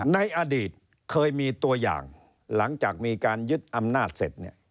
ในอดีตเคยมีตัวอย่างหลังจากมีการยึดอำนาจเสร็จ